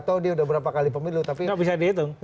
tahu dia udah berapa kali pemilu gak bisa dihitung